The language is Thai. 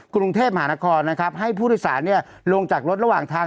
กรุงเทพมหานครนะครับให้ผู้โดยสารลงจากรถระหว่างทาง